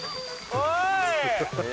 おい！